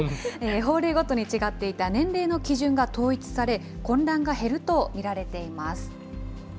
法令ごとに違っていた年齢の基準が統一され、混乱が減ると見られています。